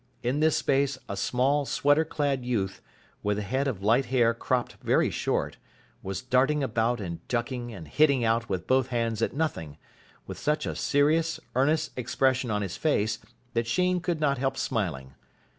In this space a small sweater clad youth, with a head of light hair cropped very short, was darting about and ducking and hitting out with both hands at nothing, with such a serious, earnest expression on his face that Sheen could not help smiling.